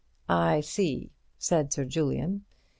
"I see," said Sir Julian.